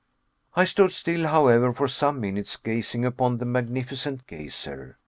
I stood still, however, for some minutes, gazing upon the magnificent geyser.